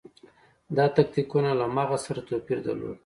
دا تکتیکونه له مغز سره توپیر درلود.